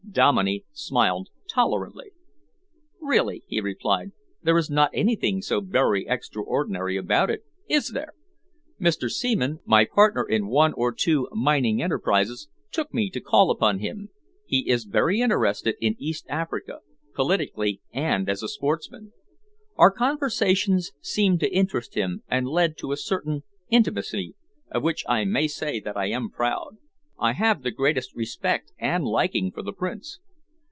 Dominey smiled tolerantly. "Really," he replied, "there is not anything so very extraordinary about it, is there? Mr. Seaman, my partner in one or two mining enterprises, took me to call upon him. He is very interested in East Africa, politically and as a sportsman. Our conversations seemed to interest him and led to a certain intimacy of which I may say that I am proud. I have the greatest respect and liking for the Prince."